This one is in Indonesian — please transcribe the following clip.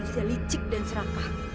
manusia licik dan serapak